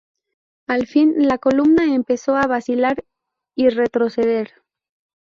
Al fin, la columna empezó a vacilar y retroceder.